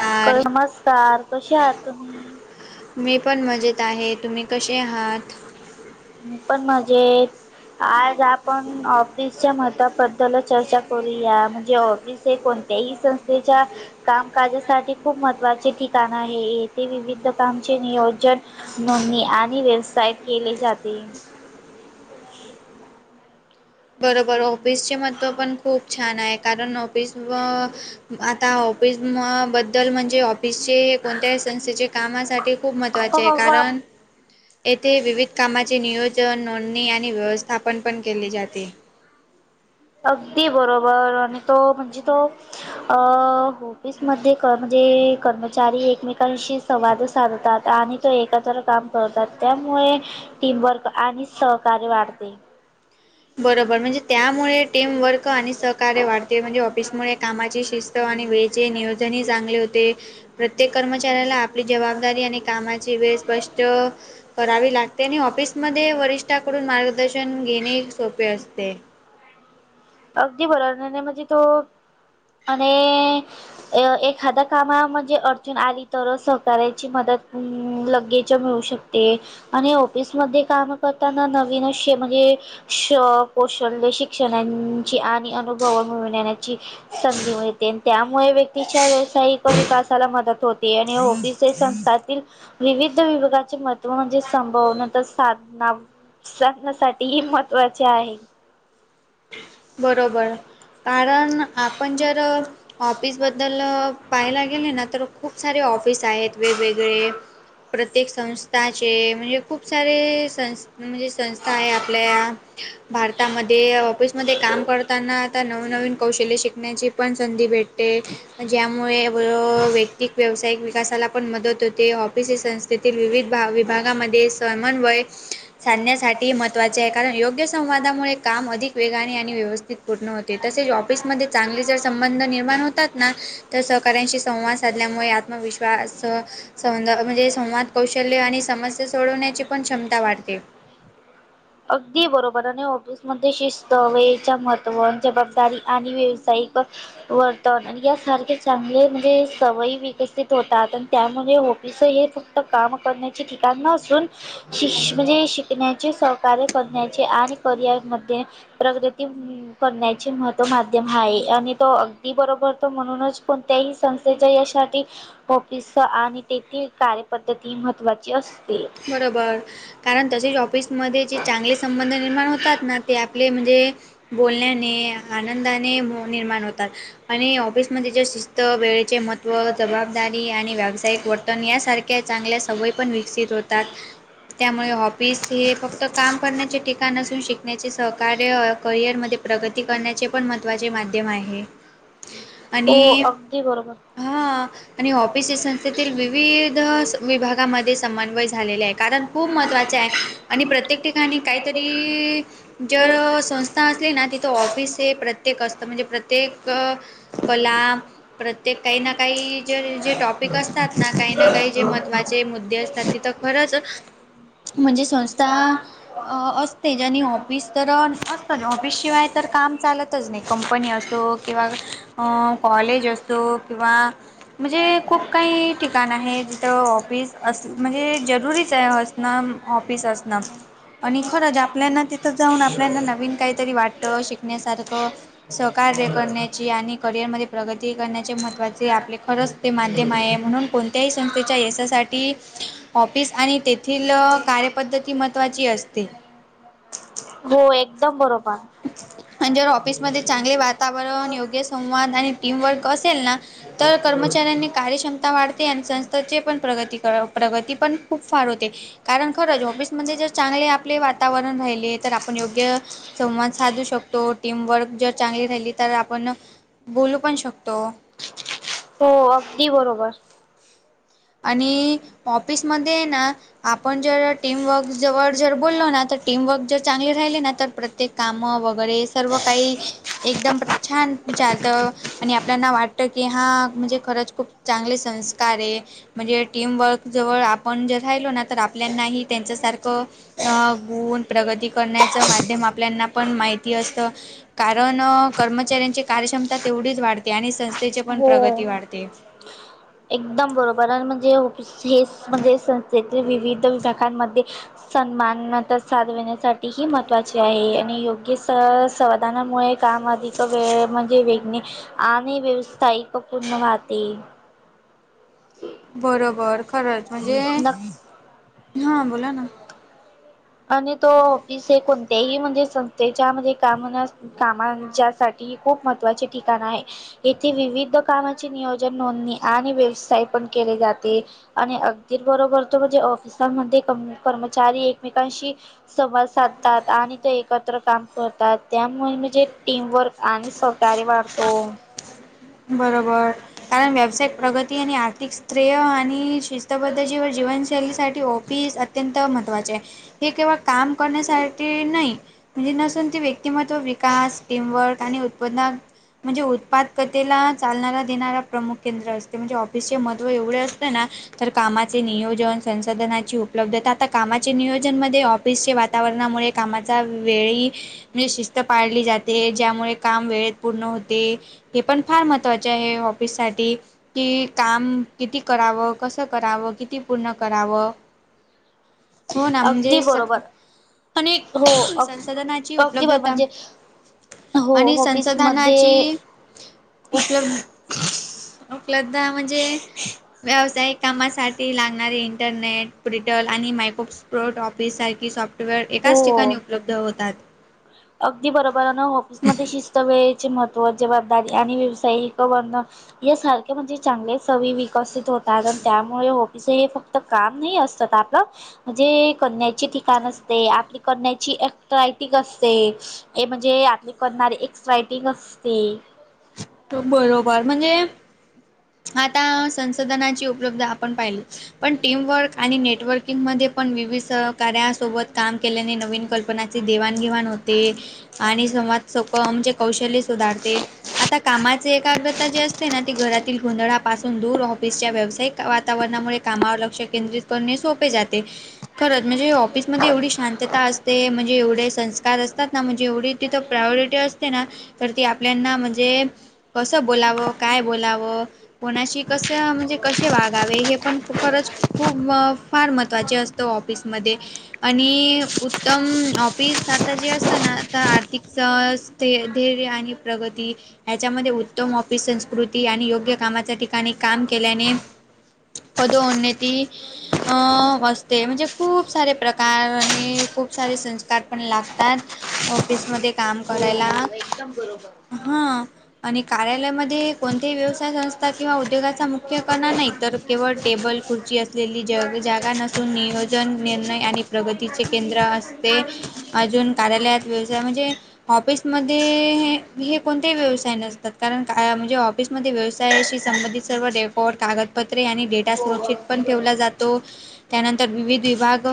यार नमस्कार, कसे आहात तुम्ही. मी पण मजेत आहे तुम्ही कसे आहात. मी पण म्हणजे आज आपण ऑफिसच्या मताबद्दल चर्चा म्हणजे ऑफिस हे कोणत्याही संस्थेच्या कामकाजसाठी खूप महत्वाच्या चे ठिकाण आहे येथे विविध कामचे नियोजन. नोंदणी आणि व्यवसाय केले जाते. बरोबर ऑफिसचे महत्व पण खूप छान आहे. कारण ऑफिस व आता ऑफिस बद्दल म्हणजे वि हे कोणत्याही संस्थेचे कामासाठी खूप महत्त्वाचे आहे कारण येथे विविध कामाची नियोजन नोंदणी आणि व्यवस्थापन पण केले जाते. अगदी बरोबर आणि तो म्हणजे तो अ ऑफिसमध्येध्ये म्हणजे कर्मचारी एकमेकांशी संवाद साधतात आणि तो एकत्र काम करतात त्यामुळे टीमवर्क आणि सहकार्य वाढते. बरोबर म्हणजे त्यामुळे टीमवर्क आणि सहकार्य वाढते. ते म्हणजे ऑफिसमुळे कामाची शिस्त आणी वेळचे नियोजनही चांगले होते. प्रत्येक कर्मचाऱ्याला आपली जबाबदारी आणि कामाची वेळ स्पष्ट करावी लागते आणि ऑफिसमध्ये वरिष्ठाकडून मार्गदर्शन घेणे सोपे असते. अगदी बरोब न्हाई न्हाई म्हणजे तो आणि अ एखादया कामा म्हणजे अडचन आली तरच सहकार्याची मदत लगेच मिळू शकते. ते आणि ऑफिसमध्ये काम करताना नवीन असे म्हणजे श कौशल्य शिक्षणांची आणि अनुभव मिळण्यानाची. संधी मिळते त्यामुळे व्यक्तीच्या व्यावसायिक विकासाला मदत होते आणि संस्थातील विविध विभागाचे महत्व म्हणजे संभव नंतर साधना साधण्यासाठी ही महत्वाचे आहे. बरोबर कारण आपण जर ऑफिसबद्दल पाहायला गेले ना तर खूप सारे ऑफिस आहेत वेगवेगळे प्रत्येक संस्थाचे म्हणजे खूप सारे सं म्हणजे संस्था आहे आपल्या या भारतामध्ये ऑफिस मध्ये काम करताना आता नवनवीन कौशल्य शिकण्याची पण संधी भेट होते ज्यामुळे वयो वैयक्तिक व्यावसायिक विकासाला पण मदत होते ऑफिस तेथील विविध भा विभागामध्ये समन्वय सांधण्यासाठी महत्वाचे आहे कारण योग्य संवादामुळे काम अधिक वेगाने आणि व्यवस्थित पूर्ण होते तसेच ऑफसमध्ये चांगली जर संबंध निर्माण होतात ना तर सहकाऱ्यांशी संवाद साधल्यामुळे आत्मविश्वास स सौद म्हणजे संवाद कौशल्य आणि समस्या सोडवण्याची पण क्षमता वाढते. अगदी बरोबर आणि ऑफिसमध्ये शिस्त वेळच्या महत्त्व जबाबदारी आणि व्यावसायिक वर्तव यासारखे चांगले म्हणजे सवयी विकसित होतात आणि त्यामुळे ऑफिस हे फक्त्त काम करण्याची ठिकाण नूसुन शिश म्हणजे शिकण्याचे कार्य करण्याचे आणि करिअर मध्ये प्रगरती करण्याचे महत्व माध्यम हा ये आणि तो अगदी बरोबर तो म्हणूनच पण तो ते ही संस्थेच्या यशसाठी ऑफिस आणि तेथील कार्यपद्धती ती महत्त्वाची असते. बरोबर कारण तसे जॉब ऑफिसमध्ये जे चांगले संबंध निर्माण होतात ना ते आपले म्हणजे बोलण्याने आनंदाने निर्माण होतात. आणि ऑफिस मध्ये जे शिस्त वेळेचे महत्व व जबाबदारी आणि व्यावसायिक वर्तन यासारख्या चांगल्या सवयी पण विकसित होतात. त्यामुळे हॉफिस हे फक्त काम करण्याचे ठिकाण नसून शिकण्याचे सहकार्य करिअरमध्ये प्रगती करण्याचे पण महत्त्वाचे माध्यम आहे. ह आणि हां आणि ऑफिसेस तेथील विविध स विभागामध्ये समन्वय झालेले आहे. कारण खूप महत्त्वाचे आहे आणि प्रत्येक ठिकाणी काहीतरी जळ संस्था असली ना तिथं ऑफिस हे प्रत्येक असतं म्हणजे प्रत्येक कला प्रत्येक काही ना काही जे जे टॉपिक असतात ना काही ना काही जे महत्त्वाचे मुद्दे असतात. तिथं खरंच म्हणजे संस्था असते ज्यांनी ऑफिस तर असतं ऑफिसशिवाय तर काम चालतच नाही कंपनी असो किंवा कॉलेज असो किंवा म्हणजे खूप काही ठिकाण आहे जिथं ऑफिस असं म्हणजे जरुरीच आहे असणं ऑफिस असणं आणि खरंच आपल्याना तिथं जाऊन आपल्याना नवीन काहीतरी वाटतं शिकण्यासारखं सहकार्य करण्याची आणि करिअर मध्ये प्रगती करण्याचे वाचे आपले खरंच ते माध्यम आहे म्हणून कोणत्याही संस्थेच्या यशासाठी ऑफिस आणि तेथील कार्यपद्धती महत्त्वाची असते. हो एकदम बरोबर. आणि जर ऑफिसमध्ये चांगले वातावरण योग्य संवाद आणि टीमवर्क असेल ना? तर कर्मचाऱ्यांनी कार्यक्षमता वाढते आणि संस्थेची पण प्रगती कर प्रगती पण खूप फार होते कारण खरंच ऑफिसमध्ये जर चांगले आपले वातावरण राहिले तर आपण योग्य संवाद साधू शकतो टीमवर्क जर चांगली राहिली तर आपण बोलू पण शकतो. हो अगदी बरोबर. आणि ऑफिसमध्ये ना आपण जर टीमवर्क जवळ जर बोललो ना, तर टीमवर्क जर चांगली राहिली, तर प्रग ते काम वगैरे सर्व काही एकदम छान चालतं. आणि आपल्याना वाटतं की, हा म्हणजे खरंच खूप चांगले संस्कार आहे. म्हणजे, टीमवर्कजवळ आपण जर राहिलो ना, तर आपल्यालाही त्यांच्यासारखं अ, गुण प्रगती करण्याच माध्यम आपल्याना पण माहिती असतं. कारण, कर्मचाऱ्यांची कार्यक्षमता तेवढीच वाढते, आणि संस्थेची पण हो प्रगती वाढते. एकदम बरोबर, आणि म्हणजे फस हेच, म्हणजे संस्थेतील विविध विभागांमध्ये सन्मानता साधविण्यासाठीही महत्त्वाचे आहे, आणि योग्य स, समाधानामुळे काम, अधिक वेळ म्हणजे वेगने, आणि व्यवसायिक पूर्ण वाहते. बरोबर, खरंच, म्हणजे... नक्की हा, बोला ना आणि तो, ऑफिस हे कोणत्याही म्हणजे संस्थेच्या म्हणजे, काम न कामांच्यासाठी खूप महत्त्वाचे ठिकाणं आहे. येथे, विविध कामाची नियोजन, नोंदणी, आणि व्यवसाय पण केले जाते, आणि अगदीर बरोबर म्हणजे ऑफिसमध्ये, कर्मचारी एकमेकांशी संवाद साधतात, आणि ते एकत्र काम करतात. त्यामुळे, म्हणजे, टीमवर्क आणि सहकार्य वाढतो. बरोबर, कारण व्यावसायिक प्रगती, आणि आर्थिक श्रेय, आणि शिस्तबद्धती व जीवनशैलीसाठी ऑफिस अत्यंत महत्त्वाचे आहे. हे केवळ काम करण्यासाठी नाही, म्हणजे, नसून ते व्यक्तिमत्व कास्ट, स्टीमवर्क आणि उत्पन्न म्हणजे, उत्पादकतेेला चालणारा देणारा प्रमुख केंद्र असते, म्हणजे, ऑफिसचे महत्व एवढे असते ना तर, कामाचे नियोजन, संसाधनाची उपलब्धता, आता, कामाचे नियोजन मध्ये ऑफिसच्या वातावरणामुळे, कामाचा वेळी, म्हणजे, शिस्त पाळली जाते, ज्यामुळे काम वेळेत पूर्ण होते. हे पण, फार महत्त्वाचे आहे, ऑफिस साठी की, काम किती करावं, कसं करावं, किती पूर्ण करावं? [inaudible] हो ना, म्हणजे स... बरोबर पण, एक, हो अग संसाधनाची अगदी बरोबर उपलब्धता म्हणजे हो आणि ऑफिसमध्ये संसाधनाची उपलब्धता. उपलब्ध म्हणजे, व्यावसायिक कामासाठी लागणारे इंटरनेट. रिटेल आणि मायक्रोसॉफ्ट ऑफिससारखी सॉफ्टवेअर एकाच हो ठिकाणी उपलब्ध होतात. अगदी बरोबर आहे ना ऑफिसमध्ये शिस्त, वेळ महत्त्व, जबाबदारी आणि व्यावसायिक बंधन, यांसारखे म्हणजे चांगल्या सवयी विकसित होतात. ण त्यामुळे ऑफिस फक्त काम नाही असत आपलं म्हणजे ठिकाण असते, आपली करण्याची अट्रॅक्टिव्ह असते. म्हणजे, हे म्हणजे आपली अट्रॅक्टिव्ह असते. बरोबर, म्हणजे आता संसाधनाची उपलब्धता आपण पाहिली पण, टीमवर्क आणि नेटवर्किंगमध्ये पण विविध सहकाऱ्यांसोबत काम केल्याने नवीन कल्पना देवाणघेवाण होते आणि संवादामुळे कौशल्य सुधारते. आता कामाची एकाग्रता जी असते ना, ती घरातील गोंधळापासून दूर, ऑफिसच्या व्यावसायिक... वातावरणामुळे कामावर लक्ष केंद्रित करणे सोपे जाते. खरंच, म्हणजे ऑफिसमध्ये एवढी शांतता असते, म्हणजे एवढे संस्कार असतात ना, म्हणजे एवढी... तिथे प्रायॉरिटीज असते ना, तर ती आपल्याला... जे कसं बोलावं, काय बोलावं... कोणाशी कसं, म्हणजे कसे वागावे. हे पण खूपरच खूप अ फार महत्वाचे असतो. ऑफिसमध्ये. आणि उत्तम ऑफिस आता जे असतं ना, आता आर्थिक सह ते धैर्य आणि प्रगती ह्याच्यामध्ये, उत्तम ऑपि संस्कृती. आणि योग्य कामाच्या ठिकाणी, काम केल्याने पदोउन्नती अ असते. म्हणजे खूप सारे प्रकार, आणि खूप सारे संस्कार पण लागतात. ऑफिसमध्ये काम करायला. हा. आणि कार्यालयामध्ये, कोणतेही व्यवसाय संस्था किंवा उद्योगाचा मुख्य कणा नाही. तर केवळ टेबल, खुर्ची असलेली जग - जागा नसून, नियोजन, निर्णय आणि प्रगतीचे केंद्र असते. अजून, कार्यालयात व्यवसाय म्हणजे, ऑफिसमध्ये हे, हे कोणते व्यवसाय नसतात. कारण का म्हणजे, ऑफिसमध्ये व्यवसायाशी संबंधित सर्व रेकॉर्ड, कागदपत्रे आणि डेटा सुरक्षित पण ठेवला जातो. त्यानंतर, विविध विभाग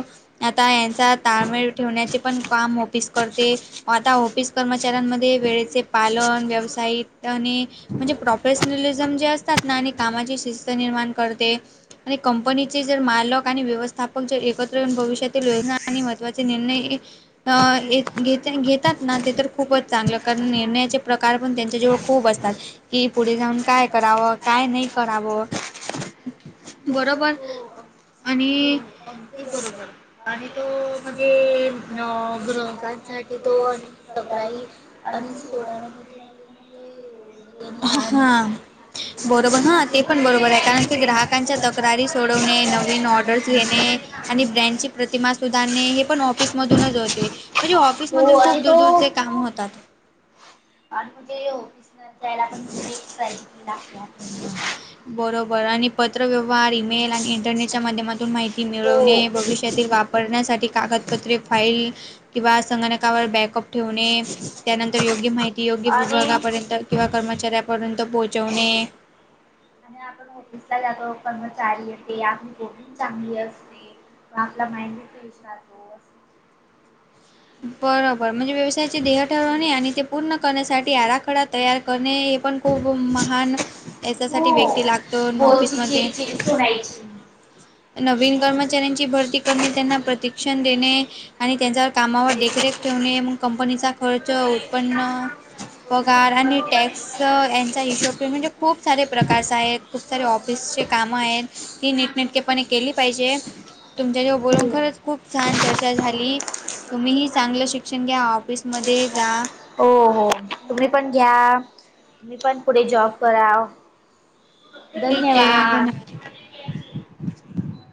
आता यांचा ताळमेळ ठेवण्याचे पण काम ऑफिस करते. आता ऑफिस कर्मचाऱ्यांमध्ये, वेळेचे पालन, व्यावसायिकता आणि म्हणजे प्रोफेशनलिजम जे असतात ना. आणि कामाची शिस्त निर्माण करते. आणि कंपनीचे जर मालक आणि व्यवस्थापक. जर एकत्र येऊन, भविष्यातील योजना आणि महत्वाचे निर्णय अ घे घेत - घेतात ना, ते तर खूपच चांगलं. कारण निर्णयाचे प्रकार पण त्यांच्या जेवळ खूप असतात. कि, पुढे जाऊन काय करावं? काय नाही करावं? बरोबर. आणि अगदी बरोबर. आणि तो म्हणजे न गृहकांसाठी तो अन सकराई आणि सोडाण्या [unintelligible] हा. बरोबर. हा, ते पण बरोबराय. कारण की, ग्राहकांच्या तक्रारी सोडवणे, नवीन ऑर्डर्स घेणे आणि ब्रँडची प्रतिमा सुधारणे. हे पण ऑफिस मधूनच होते. म्हणजे ऑ हो ऑफिसमधून खूप, आणि तो दुरदुरचे काम होतात. आणि म्हणजे ऑफिसमध्ये जायला पण, एक साईझ लागत्यात. बरोबर आणि पत्रव्यवहार, ईमेल आणि इंटरनेटच्या माध्यमातून, माहिती हो मिळवणे. भविष्यातील वाप परण्यासाठी कागदपत्रे, फाईल किंवा संगणकावर बॅकअप ठेवणे. त्यानंतर योग्य माहिती ती योग्य आणि विभागापर्यंत किंवा कर्मचाऱ्यापर्यंत पोहोचवणे. आणि आपण ऑफिसला जातो. कर्मचारीय ते आपली वोटिंग चांगली असते. म आपला माइंड बी फ्रेश राहतो. बरोबर. म्हणजे व्यवसायाचे ध्येय ठरवणे. आणि ते पूर्ण करण्यासाठी, आराखडा तयार करणे. हे पण खूप महान याच्यासाठी हो व्यक्ती लागतो, बोलची ऑफिसमध्ये. चिडचिड सुनायची. नवीन कर्मचाऱ्यांची भरती करणे. त्यांना प्रतिक्षण देणे. आणि त्यांचा कामावर देखरेख ठेवणे. मग कंपनीचा खर्च, उत्पन्न, पगार आणि टॅक्स सर यांचा हिशोब ठेव. म्हणजे, खूप सारे प्रकार्स आहेत. खूप सारे ऑफिसचे काम आहेत. ती नीटनिटकेपणे केली पाहिजे. तुमच्याशी बोलून खरंच, खूप छान चर्चा झाली. तुम्हीही चांगलं शिक्षण घ्या. ऑफिसमध्ये जा. हो, हो. तुम्ही पण घ्या. मी पण पुढे जॉब कराव ठीक आहे धन्यवाद.